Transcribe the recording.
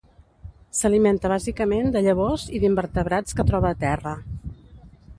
S'alimenta bàsicament de llavors i d'invertebrats que troba a terra.